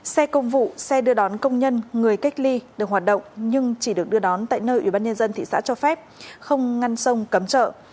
xe công vụ xe đưa đón công nhân người cách ly được hoạt động nhưng chỉ được đưa đón tại nơi ubnd thị xã cho phép không ngăn sông cấm chợ